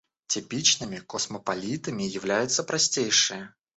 Типичными космополитами являются простейшие.